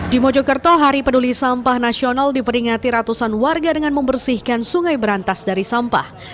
di mojokerto hari peduli sampah nasional diperingati ratusan warga dengan membersihkan sungai berantas dari sampah